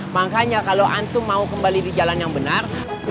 makanya kalau antu mau kembali di jalan yang benar